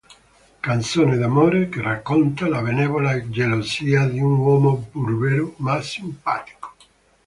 Canzone d'amore che racconta la benevola gelosia di un uomo burbero, ma simpatico.